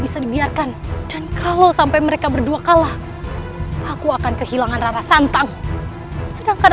bisa dibiarkan dan kalau sampai mereka berdua kalah aku akan kehilangan rasa sedangkan